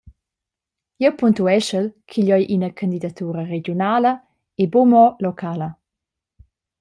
Jeu puntueschel ch’igl ei ina candidatura regiunala e buca mo locala.